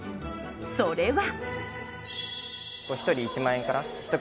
それは。